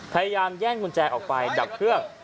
พยายามแย่งกุญแจออกไปดับเครื่อง